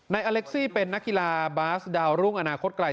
อเล็กซี่เป็นนักกีฬาบาสดาวรุ่งอนาคตไกล